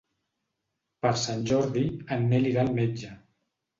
Per Sant Jordi en Nel irà al metge.